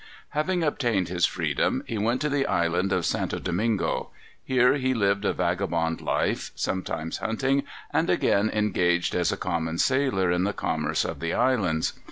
Having obtained his freedom, he went to the Island of St. Domingo. Here he lived a vagabond life, sometimes hunting, and again engaged as a common sailor in the commerce of the islands.